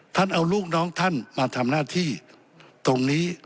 ท่านเอาลูกน้องท่านมาทำหน้าที่ตรงนี้